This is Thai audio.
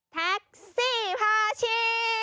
แท็กซี่ผ้าชิง